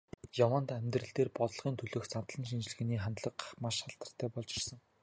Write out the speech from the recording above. Яваандаа амьдрал дээр, бодлогын төлөөх задлан шинжилгээний хандлага маш алдартай болж ирсэн.